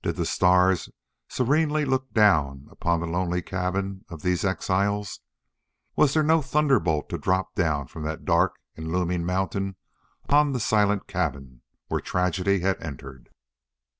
Did the stars serenely look down upon the lonely cabins of these exiles? Was there no thunderbolt to drop down from that dark and looming mountain upon the silent cabin where tragedy had entered?